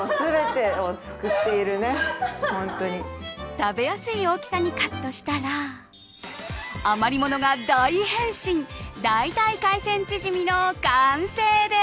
食べやすい大きさにカットしたら余り物が大変身だいたい海鮮チヂミの完成です。